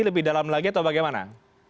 lebih dalam lagi atau bagaimana